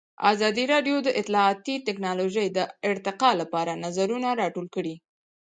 ازادي راډیو د اطلاعاتی تکنالوژي د ارتقا لپاره نظرونه راټول کړي.